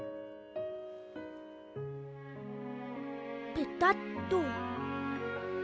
ペタッと。